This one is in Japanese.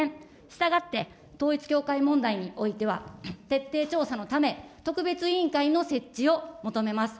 したがって統一教会問題においては、徹底調査のため、特別委員会の設置を求めます。